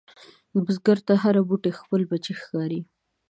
بزګر ته هره بوټۍ خپل بچی ښکاري